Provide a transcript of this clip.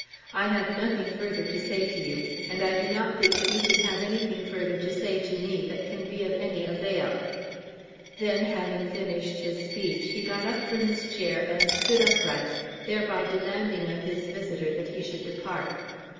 I have nothing further to say to you, and I do not think that you can have anything further to say to me that can be of any avail." Then, having finished his speech, he got up from his chair and stood upright, thereby demanding of his visitor that he should depart.